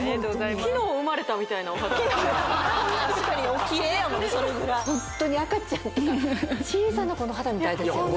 昨日生まれたみたいなお肌確かにおキレイやもんねそれぐらいホントに赤ちゃんとか小さな子の肌みたいですよね